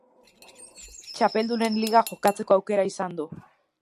Txapeldunen Liga jokatzeko aukera izan du.